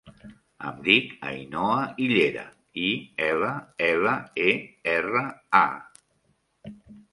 Em dic Ainhoa Illera: i, ela, ela, e, erra, a.